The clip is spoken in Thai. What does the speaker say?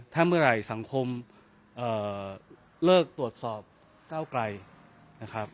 ถ้าเมื่อไหร่สังคมเลิกตรวจสอบก้าวไกลนะครับ